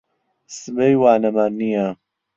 سبەی وانەمان نییە.